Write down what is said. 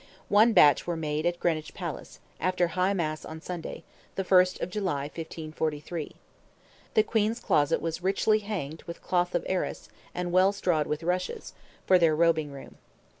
One batch were made at Greenwich Palace, after High Mass on Sunday, the 1st of July, 1543. The Queen's closet "was richly hanged with cloth of arras and well strawed with rushes," for their robing room.